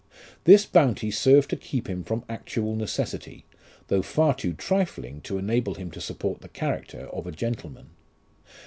This bounty served to keep him from actual necessity, though far too trifling to enable him to support the character of a gentleman.